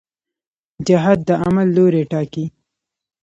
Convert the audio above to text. جهت د عمل لوری ټاکي.